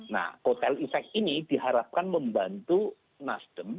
nah kotel efek ini diharapkan membantu nasdem